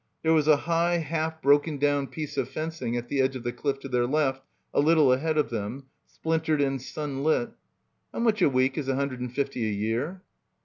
There was a high half broken down piece of fencing at the edge of the cliff to their left a little ahead of them, splintered and sunlit. "How much a week is a hundred and fifty a year?"